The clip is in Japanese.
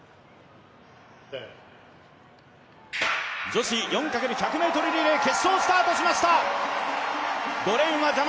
女子４×１００リレー、決勝スタートしました。